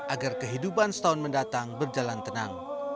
agar kehidupan setahun mendatang berjalan tenang